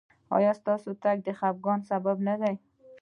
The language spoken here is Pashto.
ایا ستاسو تګ د خفګان سبب نه دی؟